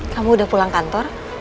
kamu udah pulang kantor